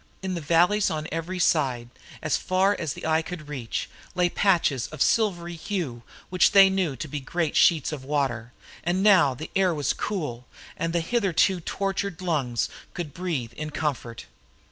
In the valleys on every side, as far as the eye could reach, lay patches of silvery hue, which they knew to be great sheets of water; and now the air was cool, and the hitherto tortured lungs could breathe it in comfort.